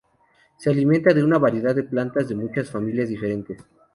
Se alimentan en una variedad de plantas de muchas familias diferentes.